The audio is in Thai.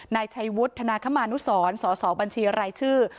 นายชัยวุฒนาคมานุสรสสบัญชีรายชื่อ